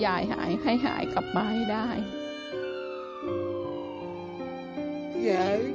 ทำงานชื่อนางหยาดฝนภูมิสุขอายุ๕๔ปี